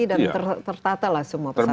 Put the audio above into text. dan tertata lah semua pesantren ini